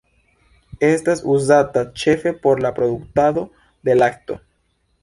Estas uzata ĉefe por la produktado de lakto.